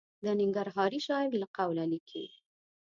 د ننګرهاري شاعر له قوله لیکي.